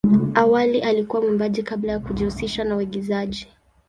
Awali alikuwa mwimbaji kabla ya kujihusisha na uigizaji.